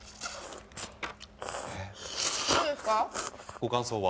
ご感想は？